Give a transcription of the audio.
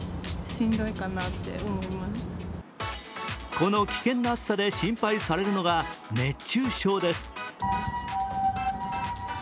この危険な暑さで心配されるのが熱中症です。